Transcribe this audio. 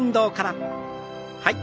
はい。